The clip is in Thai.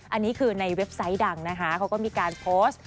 อันนี้คือในเว็บไซต์ดังนะคะเขาก็มีการโพสต์